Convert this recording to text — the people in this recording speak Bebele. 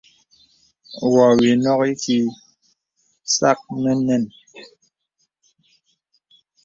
Wɔ wì nɔk ìkìì sàk mɔ nɛn.